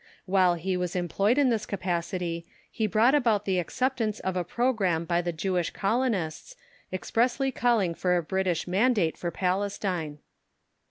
While he was employed in this capacity he brought about the acceptance of a programme by the Jewish Colonists, expressly calling for a British Mandate for Palestine.